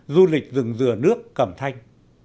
du lịch rừng rửa nước cẩm thanh